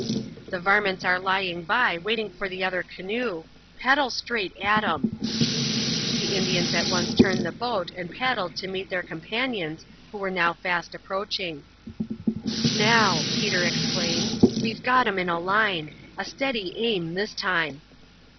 "The varmints are lying by, waiting for' the other canoe. Paddle straight at 'em." The Indians at once turned the boat and paddled to meet their companions, who were fast approaching. "Now," Peter exclaimed, "we've got 'em in a line a steady aim this time."